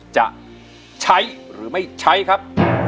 จะใช้หรือไม่ใช้ครับ